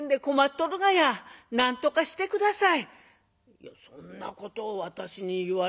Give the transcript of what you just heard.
「いやそんなことを私に言われても」。